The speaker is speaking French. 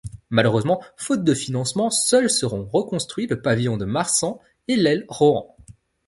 Malheureusement, faute de financement, seuls seront reconstruits le pavillon de Marsan et l'aile Rohan.